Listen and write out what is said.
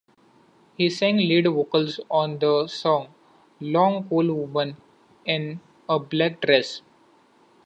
He sang lead vocals on the song "Long Cool Woman in a Black Dress".